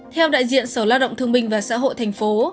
theo đại diện sở lao động thương minh và xã hội thành phố